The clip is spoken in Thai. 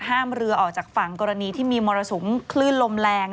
ห้ามเรือออกจากฝั่งกรณีที่มีมรสุมคลื่นลมแรง